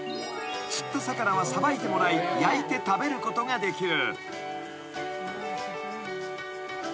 ［釣った魚はさばいてもらい焼いて食べることができる］